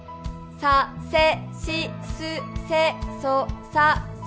させしすせそさそ